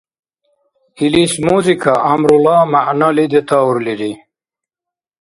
Илис музыка гӀямрула мягӀнали детаурлири.